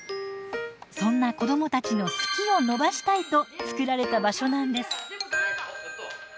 そんな子どもたちの「好き」を伸ばしたいと作られた場所なんです。